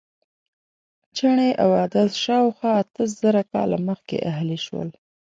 چڼې او عدس شاوخوا اته زره کاله مخکې اهلي شول.